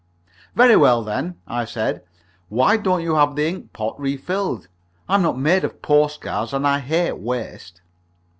"Very well, then," I said, "why don't you have the ink pot refilled? I'm not made of postcards, and I hate waste."